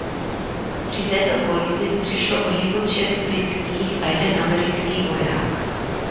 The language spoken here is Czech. Při této kolizi přišlo o život šest britských a jeden americký voják.